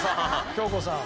京子さん。